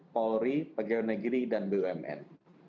polri pegawai negeri dan bumn